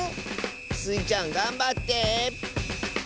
スイちゃんがんばって。